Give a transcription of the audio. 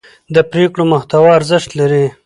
د پرېکړو محتوا ارزښت لري